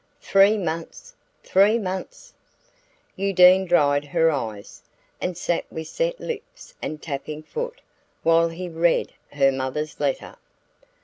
"Three months! Three months!" Undine dried her eyes, and sat with set lips and tapping foot while he read her mother's letter.